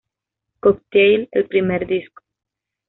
Cocktail, el primer disco.